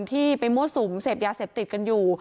ที่ไปมั่วสุมเสพยาเสพติดกันอยู่